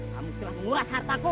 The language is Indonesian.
kamu telah menguras hartaku